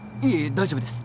大丈夫です。